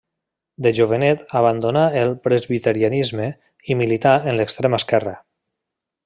De jovenet abandonà el presbiterianisme i milità en l'extrema esquerra.